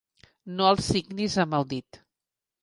No el signis amb el dit.